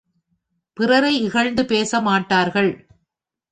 பிறரை இகழ்ந்து பேச மாட்டார்கள்.